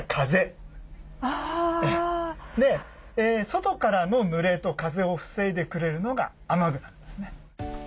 外からの濡れと風を防いでくれるのが雨具なんですね。